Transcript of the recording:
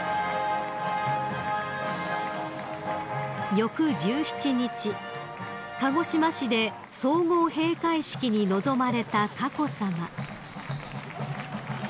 ［翌１７日鹿児島市で総合閉会式に臨まれた佳子さま］